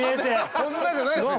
こんなじゃないですよ。